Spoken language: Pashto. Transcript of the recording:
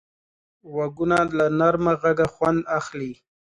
غوږونه له نرمه غږه خوند اخلي